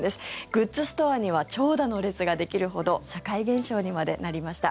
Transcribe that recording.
グッズストアには長蛇の列ができるほど社会現象にまでなりました。